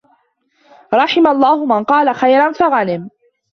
رَحِمَ اللَّهُ مَنْ قَالَ خَيْرًا فَغَنِمَ